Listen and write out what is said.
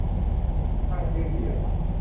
สร้างชื่อเสียง